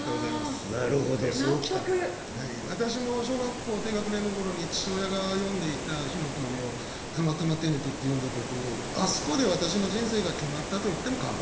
私も小学校低学年の頃に父親が読んでいた「火の鳥」をたまたま手に取って読んだ時にあそこで私の人生が決まったと言っても過言ではありません。